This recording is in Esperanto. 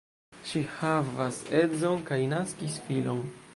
Ŝi havas edzon kaj naskis filon.